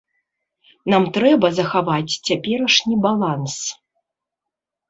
Нам трэба захаваць цяперашні баланс.